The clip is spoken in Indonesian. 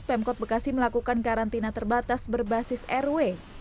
pemkot bekasi melakukan karantina terbatas berbasis rw